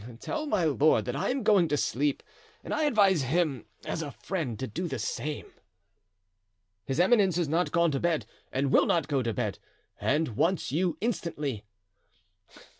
"Tell my lord that I'm going to sleep, and I advise him, as a friend, to do the same." "His eminence is not gone to bed and will not go to bed, and wants you instantly."